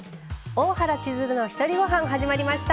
「大原千鶴のひとりごはん」始まりました。